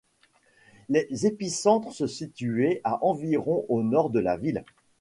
Les épicentres se situaient à environ au nord de la ville.